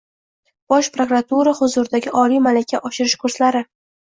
Bosh prokuratura huzuridagi Oliy malaka oshirish kurslari